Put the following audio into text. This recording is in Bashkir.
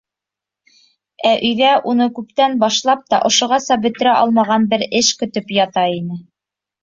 Ә өйҙә уны күптән башлап та ошоғаса бөтөрә алмаған бер эше көтөп ята ине.